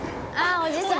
おじさん！